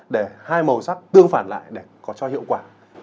để hai màu sắc tương phản lại để có cho hiệu quả